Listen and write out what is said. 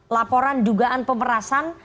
laporan dugaan pemerasan